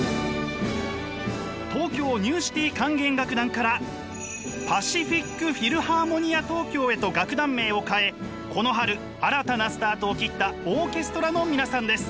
東京ニューシティ管弦楽団からパシフィックフィルハーモニア東京へと楽団名を変えこの春新たなスタートを切ったオーケストラの皆さんです。